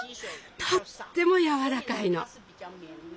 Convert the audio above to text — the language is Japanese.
とってもやわらかいの。